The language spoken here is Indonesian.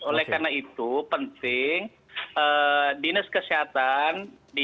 oleh karena itu penting dinas kesehatan